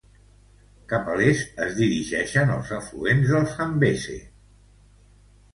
Cap a l'est es dirigeixen els afluents del Zambeze.